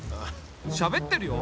しゃべってるよ。